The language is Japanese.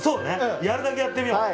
やるだけやってみよう。